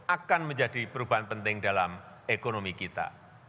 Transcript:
akan menjadi perubahan penting dalam ekonomi kita